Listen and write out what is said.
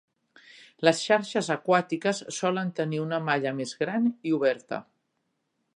Les xarxes aquàtiques solen tenir una malla més gran i "oberta".